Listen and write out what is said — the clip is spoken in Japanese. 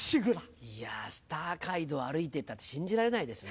いやスター街道歩いてたって信じられないですね。